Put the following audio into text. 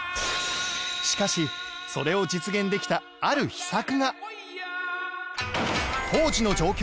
しかしそれを実現できたある秘策が